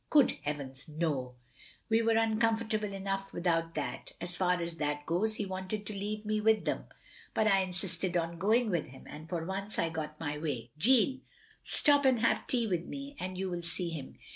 "Good heavens, no, we were uncomfortable enough without that. As far as that goes, he wanted to leave me with them. But I insisted on going with him, and for once I got my way. Jeanne! stop and have tea with me, and you will see him.